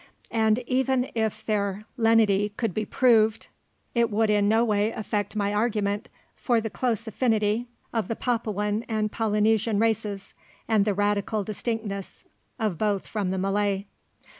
And even if their lenity could be proved, it would in no way affect my argument for the close affinity of the Papuan and Polynesian races, and the radical distinctness of both from the Malay.